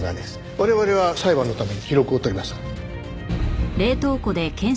我々は裁判のために記録を取ります。